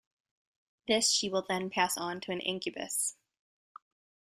This she will then pass on to an incubus.